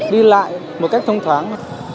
đi lại một cách thông thoáng